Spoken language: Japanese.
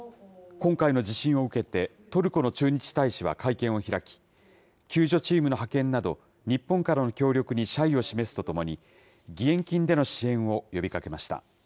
今回の地震を受けて、トルコの駐日大使は会見を開き、救助チームの派遣など、日本からの協力に謝意を示すとともに、義援金での支援を呼びかけました。